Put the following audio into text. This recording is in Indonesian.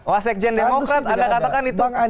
wasekjen demokrat anda katakan itu penyebar hoax